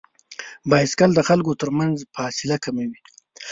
بایسکل د خلکو تر منځ فاصلې کموي.